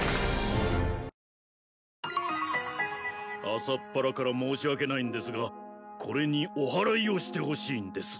朝っぱらから申し訳ないんですがこれにおはらいをしてほしいんです。